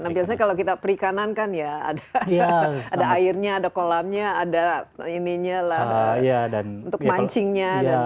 nah biasanya kalau kita perikanan kan ya ada airnya ada kolamnya ada ininya lah untuk mancingnya